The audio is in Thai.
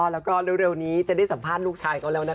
แล้วก็เร็วนี้จะได้สัมภาษณ์ลูกชายเขาแล้วนะคะ